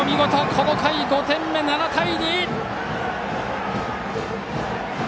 この回５点目、７対２！